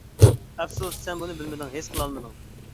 ئەپسۇس سەن بۇنى بىلمىدىڭ، ھېس قىلالمىدىڭ.